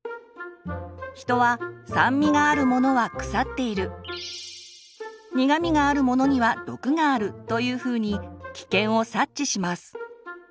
人は酸味があるものは腐っている苦味があるものには毒があるというふうに危険を察知します。